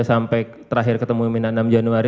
sampai terakhir ketemu minanam januari